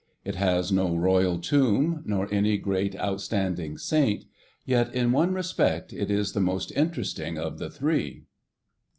It has no Royal Tomb, nor any great outstanding Saint, yet in one respect it is the most interesting of the three.